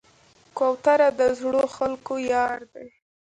کوتره د زړو خلکو یار ده.